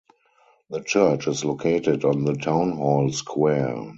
The church is located on the town hall square.